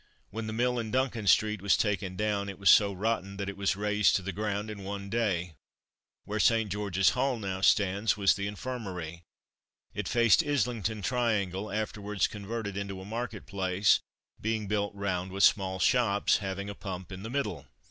When the mill in Duncan street was taken down it was so rotten that it was razed to the ground in one day. Where St. George's Hall now stands was the Infirmary. It faced Islington Triangle, afterwards converted into a market place, being built round with small shops, having a pump in the middle.